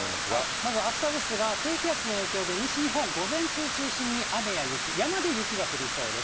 まずあしたですが、低気圧の影響で西日本、午前中を中心に雨や雪、山で雪が降りそうです。